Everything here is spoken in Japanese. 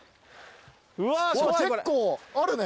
結構あるね。